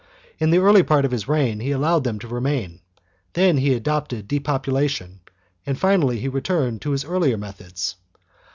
In the early part of his reign he allowed them to remain; then he adopted depopula tion, and finally he returned to his earlier methods.